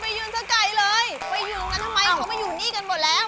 ไปอยู่กันทำไมเขามาอยู่นี่กันหมดแล้ว